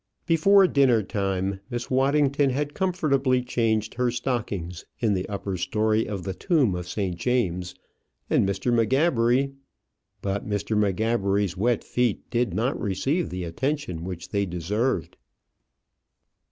Before dinner time, Miss Waddington had comfortably changed her stockings in the upper story of the tomb of St. James, and Mr. M'Gabbery but Mr. M'Gabbery's wet feet did not receive the attention which they deserved.